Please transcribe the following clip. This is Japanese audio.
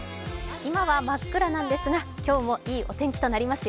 今は真っ暗なんですが、今日もいいお天気となりますよ。